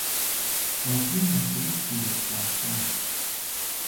بازی محبوب شورش در شهر